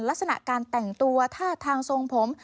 ลักษณะการแต่งตัวท่าทางทรงผม